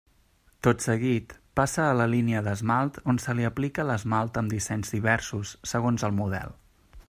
Tot seguit passa a la línia d'esmalt on se li aplica l'esmalt amb dissenys diversos, segons el model.